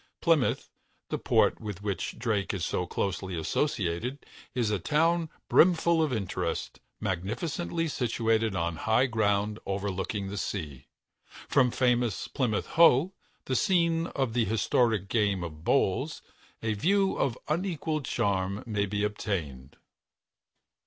Plymouth, the port with which Drake is so closely associated, is a town brimful of interest, magnificently situated on high ground overlooking the sea. From famous Plymouth Hoe, the scene of the historic game of bowls, a view of unequalled charm may be obtained.